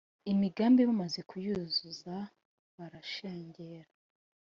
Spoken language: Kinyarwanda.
imigambi bamaze kuyuzuza barashengera,